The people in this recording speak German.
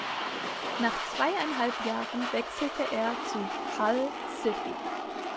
Nach zweieinhalb Jahren wechselte er zu Hull City.